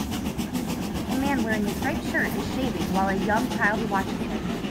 A man wearing a striped shirt is shaving while a young child watches him.